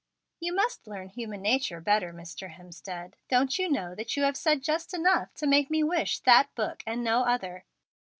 "You must learn human nature better, Mr. Hemstead. Don't you know that you have said just enough to make me wish that book and no other?